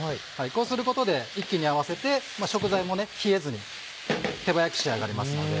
こうすることで一気に合わせて食材も冷えずに手早く仕上がりますので。